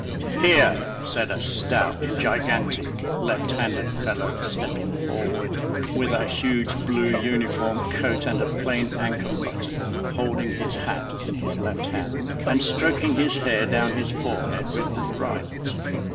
"Here," said a stout, gigantic, left handed fellow, stepping forward, with a huge blue uniform coat and a plain anchor button, holding his hat in his left hand, and stroking his hair down his forehead with his right.